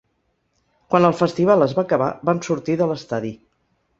Quan el festival es va acabar, vam sortir de l’estadi.